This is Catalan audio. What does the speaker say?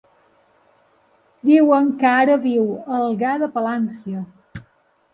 Diuen que ara viu a Algar de Palància.